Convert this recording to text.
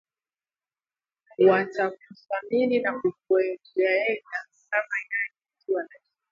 Watakuthamini na kukuengaenga kama yai wakiwa na jambo